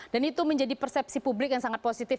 dan itu menjadi persepsi publik yang sangat positif